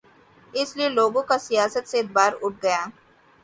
اس لیے لوگوں کا سیاست سے اعتبار اٹھ گیا۔